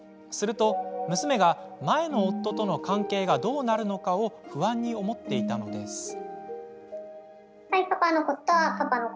すると、娘が前の夫との関係がどうなるのかを不安に思っていたのです。